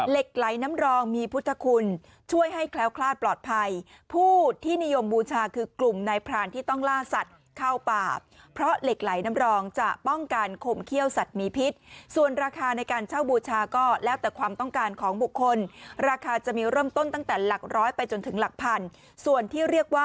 เหล็กไหลน้ำรองมีพุทธคุณช่วยให้แคล้วคลาดปลอดภัยผู้ที่นิยมบูชาคือกลุ่มนายพรานที่ต้องล่าสัตว์เข้าป่าเพราะเหล็กไหลน้ำรองจะป้องกันข่มเขี้ยวสัตว์มีพิษส่วนราคาในการเช่าบูชาก็แล้วแต่ความต้องการของบุคคลราคาจะมีเริ่มต้นตั้งแต่หลักร้อยไปจนถึงหลักพันส่วนที่เรียกว่า